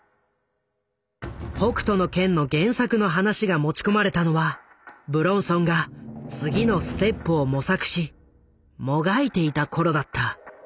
「北斗の拳」の原作の話が持ち込まれたのは武論尊が次のステップを模索しもがいていた頃だった。